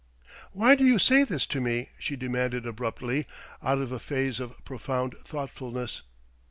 "Why do you say this to me?" she demanded abruptly, out of a phase of profound thoughtfulness.